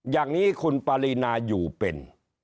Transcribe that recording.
อย่างนี้คุณปารีนาอยู่เป็น